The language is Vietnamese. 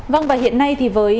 vâng và hiện nay thì với